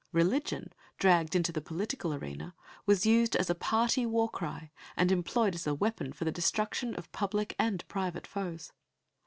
Religion, dragged into the political arena, was used as a party war cry, and employed as a weapon for the destruction of public and private foes.